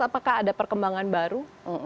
apakah ada perkembangan baru